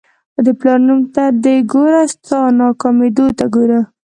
د پلار نوم ته دې ګوره ستا ناکامېدو ته ګوره.